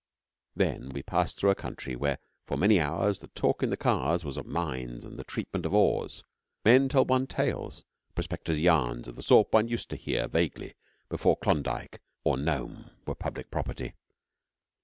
Then we passed through a country where for many hours the talk in the cars was of mines and the treatment of ores. Men told one tales prospectors' yarns of the sort one used to hear vaguely before Klondike or Nome were public property.